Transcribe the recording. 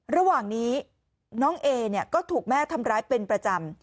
ระหว่างนี้น้องเอเนี่ยก็ถูกแม่ทำร้ายเป็นประจำ